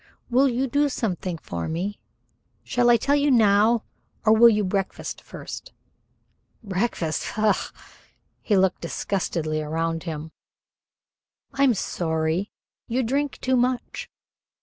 Will you do something for me? Shall I tell you now or will you breakfast first?" "Breakfast? Faugh!" He looked disgustedly around him. "I'm sorry. You drink too much.